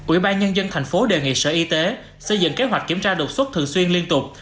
ủy ban nhân dân thành phố đề nghị sở y tế xây dựng kế hoạch kiểm tra đột xuất thường xuyên liên tục